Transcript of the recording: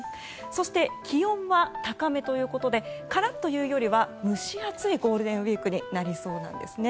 そして、気温は高めということでカラッというよりは蒸し暑いゴールデンウィークになりそうなんですね。